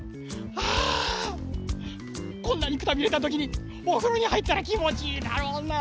こんなにくたびれたときにおふろにはいったらきもちいいだろうな。